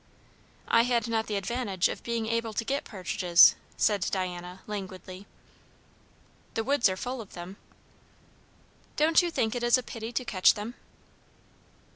"I had not the advantage of being able to get partridges," said Diana languidly. "The woods are full of them." "Don't you think it is a pity to catch them?"